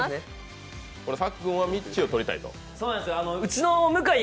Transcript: さっくんはみっちーを撮りたいと。